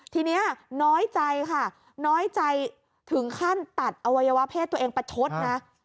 ทีนี้น้อยใจค่ะน้อยใจถึงขั้นตัดอวัยวะเพศตัวเองประชดนะ